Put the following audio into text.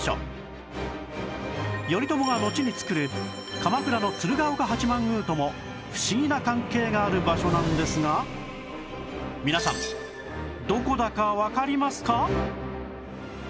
頼朝がのちに造る鎌倉の鶴岡八幡宮とも不思議な関係がある場所なんですが皆さんどこだかわかりますか？